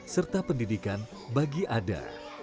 serta pendidikan bagi ada